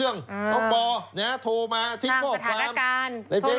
อันนี้ไม่ธรรมดาน่ะไอ้เก่ง